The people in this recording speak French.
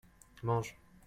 mange.